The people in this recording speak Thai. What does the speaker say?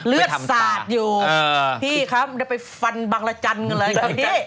ไปทำตาเลือดซาดอยู่พี่ครับได้ไปฟันบังละจันทร์เลยตรงนี้